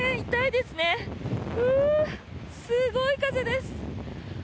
すごい風です。